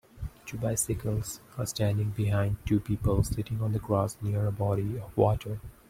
Two bicycles are standing behind two people sitting on the grass near a body of water.